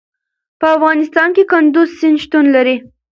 په افغانستان کې کندز سیند شتون لري.